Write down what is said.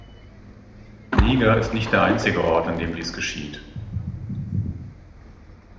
Niger ist nicht der einzige Ort, an dem dies geschieht.